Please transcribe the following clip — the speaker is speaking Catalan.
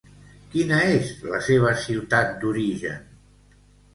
Quina és la seva ciutat d'origen?